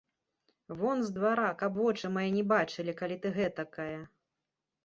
Вон з двара, каб вочы мае не бачылі, калі ты гэтакая!